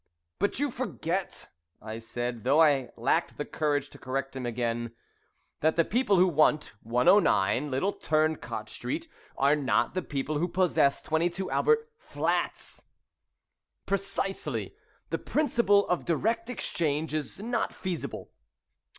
'" "But you forget," I said, though I lacked the courage to correct him again, "that the people who want '109, Little Turncot Street,' are not the people who possess '22, Albert Flats.'" "Precisely; the principle of direct exchange is not feasible.